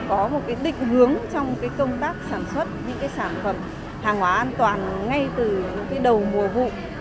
có một cái định hướng trong công tác sản xuất những sản phẩm hàng hóa an toàn ngay từ những đầu mùa vụ